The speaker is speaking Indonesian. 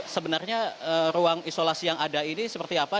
sebenarnya ruang isolasi yang ada ini seperti apa